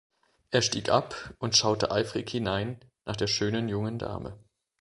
Er stieg ab und schaute eifrig hinein nach der schönen jungen Dame.